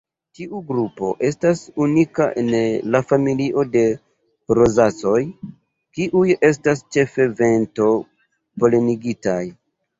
Tiu grupo estas unika en la familio de Rozacoj kiuj estas ĉefe vento-polenigitaj.